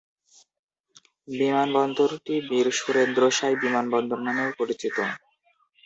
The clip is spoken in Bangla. বিমানবন্দরটি বীর সুরেন্দ্র সাঁই বিমানবন্দর নামেও পরিচিত।